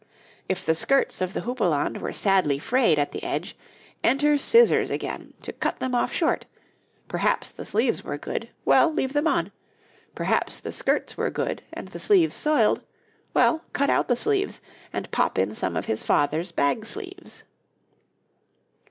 If the skirts of the houppelande were sadly frayed at the edge, enter Scissors again to cut them off short; perhaps the sleeves were good well, leave them on; perhaps the skirts were good and the sleeves soiled well, cut out the sleeves and pop in some of his father's bag sleeves.